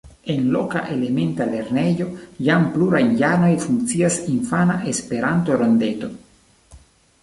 En loka elementa lernejo jam plurajn jarojn funkcias infana Esperanto-rondeto.